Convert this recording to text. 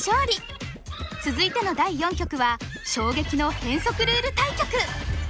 続いての第４局は衝撃の変則ルール対局。